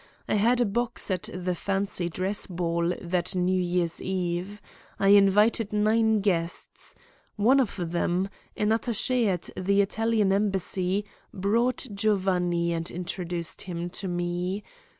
I had a box at the Fancy Dress Ball that New Year's Eve. I invited nine guests. One of them, an attaché at the Italian Embassy, brought Giovanni and introduced him to me.